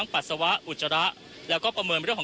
คุณทัศนาควดทองเลยค่ะ